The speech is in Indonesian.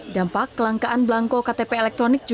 dampak kelangkaan belangko ktp elektronik